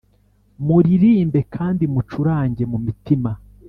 Muririmbe kandi mucurange mu mitima